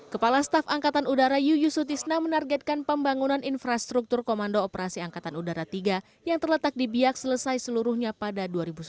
kepala staf angkatan udara yuyusutisna menargetkan pembangunan infrastruktur komando operasi angkatan udara tiga yang terletak di biak selesai seluruhnya pada dua ribu sembilan belas